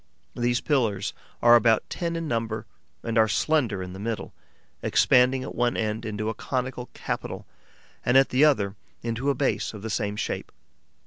These pillars are about ten in number and are slender in the middle, expanding at one end into a conical capital and at the other into a base of the same shape.